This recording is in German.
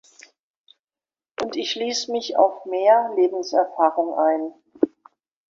Und ich ließ mich auf mehr Lebenserfahrung ein.